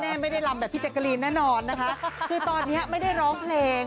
แม่ไม่ได้ลำแบบพี่แจ๊กกะลีนแน่นอนนะคะคือตอนนี้ไม่ได้ร้องเพลง